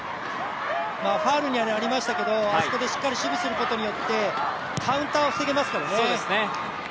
ファウルにはなりましたけど、あそこでしっかり守備することによってカウンターを防げますからね。